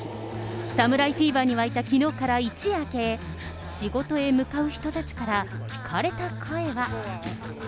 侍フィーバーに沸いたきのうから一夜明け、仕事へ向かう人たちから聞かれた声は。